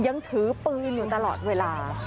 ยังถือปืนตลอดเวลา